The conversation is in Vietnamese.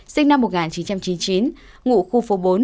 sinh năm một nghìn chín trăm chín mươi chín ngụ khu phố bốn